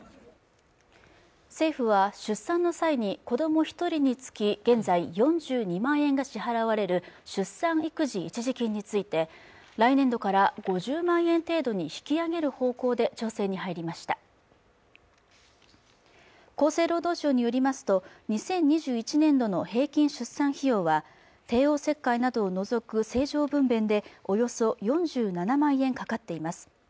政府は出産の際に子ども一人につき現在４２万円が支払われる出産育児一時金について来年度から５０万円程度に引き上げる方向で調整に入りました厚生労働省によりますと２０２１年度の平均出産費用は帝王切開などを除く正常分娩でおよそ４７万円かかっています